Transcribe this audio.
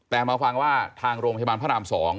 แต่มาฟังว่าทางโรงพยาบาลพระราม๒